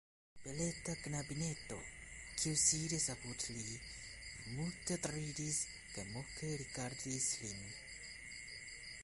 Beleta knabineto, kiu sidis apud li, multe ridis kaj moke rigardis lin.